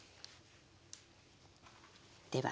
では。